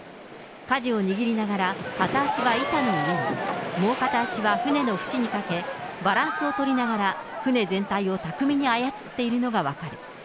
かじを握りながら片足は板の上に、もう片足は船の縁にかけ、バランスを取りながら船全体を巧みに操っているのが分かる。